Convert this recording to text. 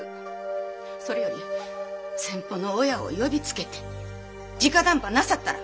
それより先方の親を呼びつけて直談判なさったら？